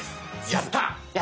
やった！